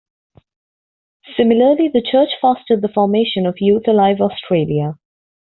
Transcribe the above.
Similarly the church fostered the formation of Youth Alive Australia.